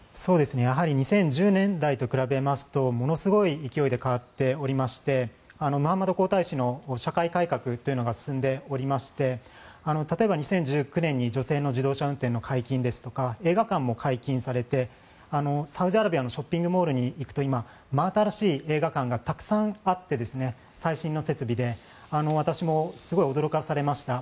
２０１０年代と比べますとものすごい勢いで変わっておりましてムハンマド皇太子の社会改革というのが進んでおりまして例えば、２０１９年に女性の自動車運転の解禁ですとか映画館も解禁されたサウジアラビアのショッピングモールに行くと真新しい映画館がたくさんあって、最新の設備で私もすごい驚かされました。